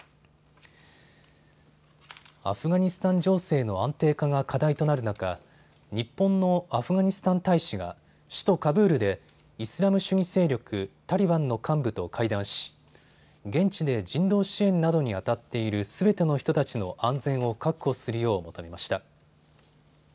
アフガニスタン情勢の安定化が課題となる中、日本のアフガニスタン大使が首都カブールでイスラム主義勢力タリバンの幹部と会談し現地で人道支援などにあたっているすべての人たちの安全を確保するよう求めました。